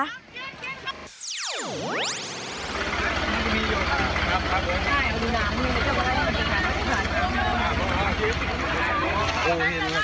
อันนี้ให้มีเธอทรมานซับอืมครับ